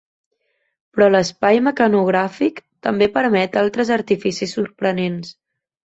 Però l'espai mecanogràfic també permet altres artificis sorprenents.